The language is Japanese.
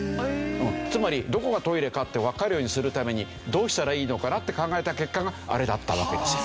つまりどこがトイレかってわかるようにするためにどうしたらいいのかなって考えた結果があれだったわけですよ。